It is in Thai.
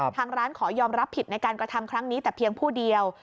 ทางร้านขอยอมรับผิดในการกระทำครั้งนี้แต่เพียงผู้เดียว